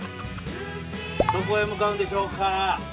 どこへ向かうんでしょうか？